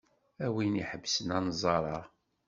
A win iḥebsen anẓar-a.